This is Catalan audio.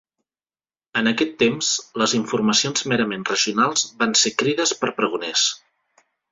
En aquest temps, les informacions merament regionals van ser crides per pregoners.